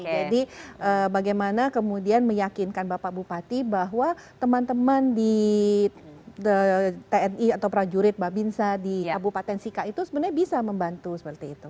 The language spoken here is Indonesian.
jadi bagaimana kemudian meyakinkan bapak bupati bahwa teman teman di tni atau prajurit mbak binsa di kabupaten sika itu sebenarnya bisa membantu seperti itu